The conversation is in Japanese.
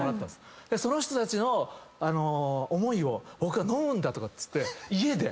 「その人たちの思いを僕は飲むんだ」とかっつって家で。